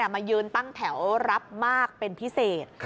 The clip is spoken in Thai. มายืนตั้งแถวรับมากเป็นพิเศษ